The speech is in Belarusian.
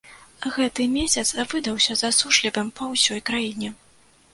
Гэты месяц выдаўся засушлівым па ўсёй краіне.